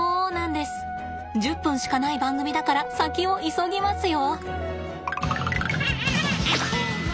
１０分しかない番組だから先を急ぎますよ！